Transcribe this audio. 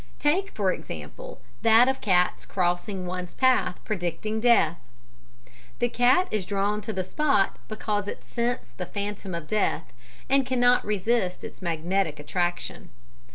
Take, for example, that of cats crossing one's path predicting death. "The cat is drawn to the spot because it scents the phantom of death, and cannot resist its magnetic attraction.